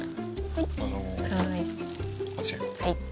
はい。